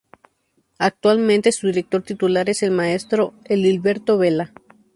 Actualmente su director titular es el Maestro Edilberto Vela.